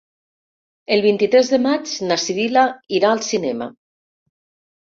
El vint-i-tres de maig na Sibil·la irà al cinema.